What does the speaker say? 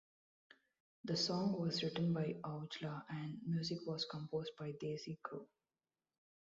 The song was written by Aujla and music was composed by Desi Crew.